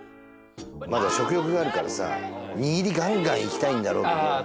まだ食欲があるからさにぎりガンガンいきたいんだろうけどああ